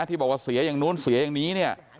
ที่บอกว่าเสียอย่างนู้นเสียอย่างนี้เนี่ย